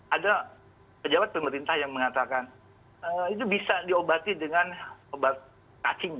ada pejabat pemerintah yang mengatakan itu bisa diobati dengan obat cacing